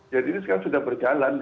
jadi ini sekarang sudah berjalan